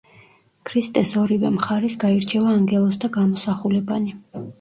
ქრისტეს ორივე მხარეს გაირჩევა ანგელოზთა გამოსახულებანი.